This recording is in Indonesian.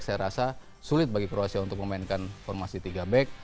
saya rasa sulit bagi kroasia untuk memainkan formasi tiga back